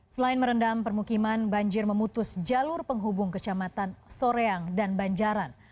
selain merendam permukiman banjir memutus jalur penghubung kecamatan soreang dan banjaran